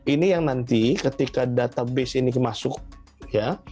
ini yang nanti ketika database ini masuk ya